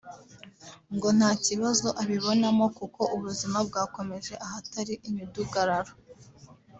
ngo nta kibazo abibonamo kuko ubuzima bwakomeje ahatari imidugararo